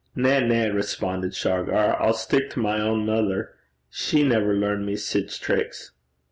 'Na, na,' responded Shargar. 'I'll stick to my ain mither. She never learned me sic tricks.'